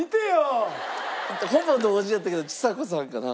ほぼ同時やったけどちさ子さんかな。